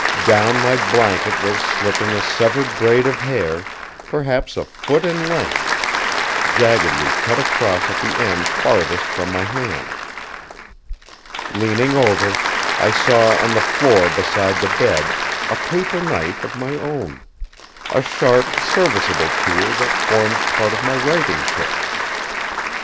Down my blanket was slipping a severed braid of hair, perhaps a foot in length, jaggedly cut across at the end farthest from my hand. Leaning over, I saw on the floor beside the bed a paper knife of my own; a sharp, serviceable tool that formed part of my writing kit.